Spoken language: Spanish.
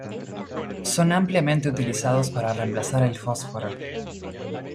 Son ampliamente utilizados para reemplazar el fósforo.